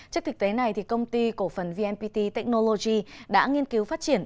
trước thực tế này công ty cổ phần vnpt technology đã nghiên cứu phát triển